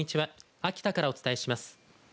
秋田からお伝えします。